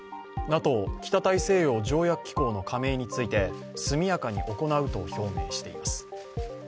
ＮＡＴＯ＝北大西洋条約機構の加盟について速やかに行うと表明しています。